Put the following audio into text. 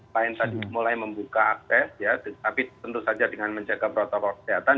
lain tadi mulai membuka akses tapi tentu saja dengan menjaga protokol kesehatan